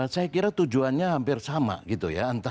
saya kira tujuannya hampir sama gitu ya